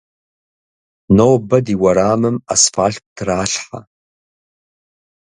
Нобэ ди уэрамым асфалът тралъхьэ.